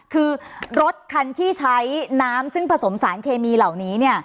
คือรถคันที่ใช้น้ำซึ่งผสมสารเคมีเหล่านี้